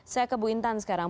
saya ke bu intan sekarang